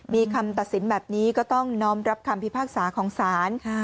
มีคำตัดสินแบบนี้ก็ต้องน้อมรับคำพิพากษาของศาล